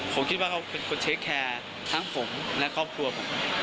ผมคิดว่าเขาเป็นคนเช็คแคร์ทั้งผมและครอบครัวผม